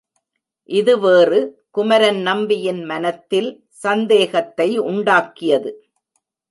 இது வேறு குமரன் நம்பியின் மனத்தில் சந்தேகத்தை உண்டாக்கியது.